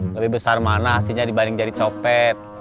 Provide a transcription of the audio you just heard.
lebih besar mana hasilnya dibanding jadi copet